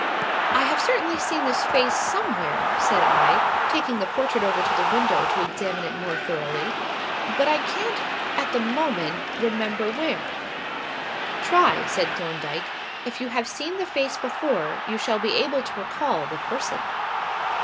"I have certainly seen this face somewhere," said I, taking the portrait over to the window to examine it more thoroughly, "but I can't, at the moment, remember where." "Try," said Thorndyke. "If you have seen the face before, you should be able to recall the person."